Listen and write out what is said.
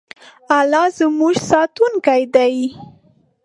الله زموږ ساتونکی دی.